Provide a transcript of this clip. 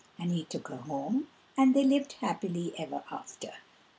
And he took her home, and they lived happy ever after.